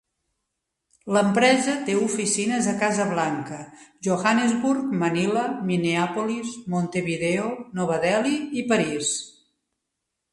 L'empresa té oficines a Casablanca, Johannesburg, Manila, Minneapolis, Montevideo, Nova Delhi i París.